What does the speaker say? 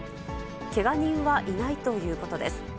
けが人はいないということです。